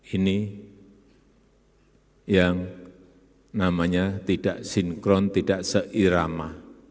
ini yang namanya tidak sinkron tidak seirama